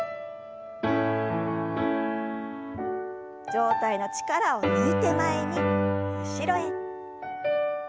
上体の力を抜いて前に後ろへ。